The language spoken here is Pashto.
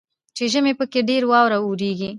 چې ژمي پکښې ډیره واوره اوریږي.